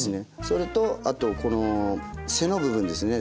それとあとこの背の部分ですね